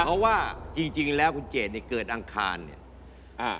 เพราะว่ายิ่งแล้วคุณเจดเกิดอังคารเนี่ย